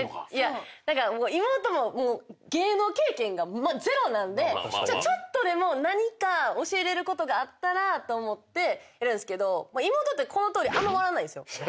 妹ももう芸能経験がゼロなんでちょっとでも教えれることがあったらと思ってやるんすけど妹ってこのとおり。